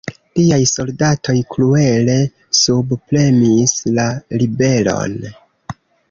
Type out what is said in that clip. Liaj soldatoj kruele subpremis la ribelon.